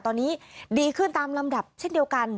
ตอนนี้ดีขึ้นตามลำดับเช่นเดียวกัน